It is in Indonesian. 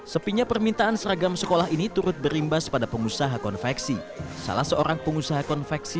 sepinya permintaan seragam sekolah ini turut berimbas pada pengusaha konveksi